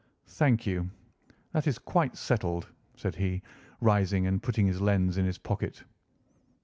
"Thank you. That is quite settled," said he, rising and putting his lens in his pocket.